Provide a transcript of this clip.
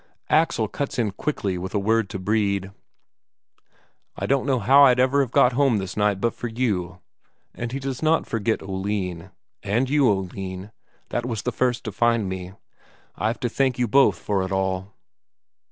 Axel cuts in quickly with a word to Brede: "I don't know how I'd ever have got home this night but for you." And he does not forget Oline: "And you, Oline, that was the first to find me. I've to thank you both for it all."